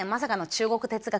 中国哲学？